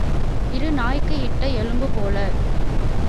இரு நாய்க்கு இட்ட எலும்பு போல.